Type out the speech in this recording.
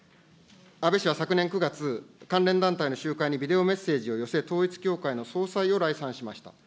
安倍氏は昨年９月、関連団体の集会にビデオメッセージを寄せ、統一教会の総裁を礼賛しました。